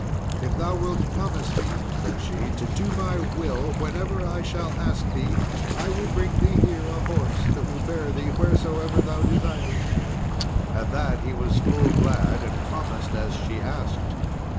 "If thou wilt promise me," said she, "to do my will whenever I shall ask thee, I will bring thee here a horse that will bear thee wheresoever thou desirest." At that he was full glad, and promised as she asked.